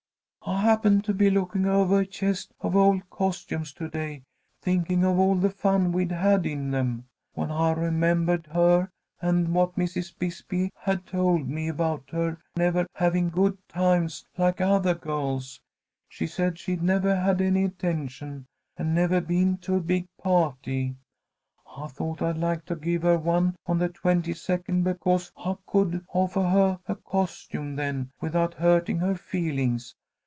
"I happened to be looking ovah a chest of old costumes to day, thinking of all the fun we'd had in them, when I remembahed her and what Mrs. Bisbee had told me about her nevah having good times like othah girls. She said she'd nevah had any attention, and nevah been to a big pah'ty. I thought I'd like to give her one on the twenty second, because I could offah her a costume then without hurting her feelings.